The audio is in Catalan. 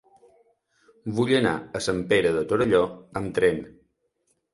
Vull anar a Sant Pere de Torelló amb tren.